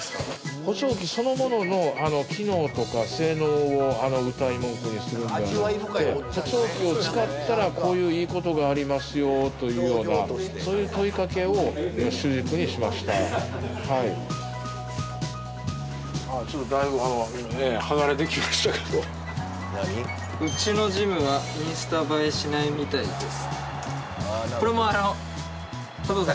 補聴器そのものの機能とか性能をうたい文句にするんではなくて補聴器を使ったらこういういいことがありますよというようなそういう問いかけを主軸にしました「うちのジムはインスタ映えしないみたいです」